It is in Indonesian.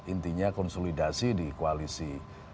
intinya konsolidasi di koalisi